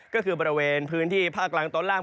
ก็คือบริเวณพื้นที่ภาคกลางตอนล่าง